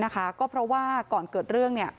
ก็เพราะว่าก่อนเกิดเรื่อง